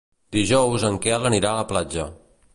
Dijous en Quel anirà a la platja.